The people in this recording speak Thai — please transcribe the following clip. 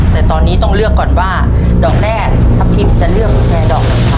แต่ตอนนี้ต้องเลือกก่อนว่าดอกแรกทัพทิมจะเลือกกุญแจดอกไหนครับ